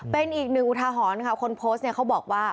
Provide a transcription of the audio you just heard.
เป็นอีกหนึ่งอุทาหรณ์ค่ะคนโพสต์เนี่ยเขาบอกว่า